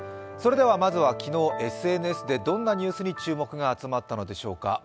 まずは昨日、ＳＮＳでどんなニュースに注目が集まったのでしょうか。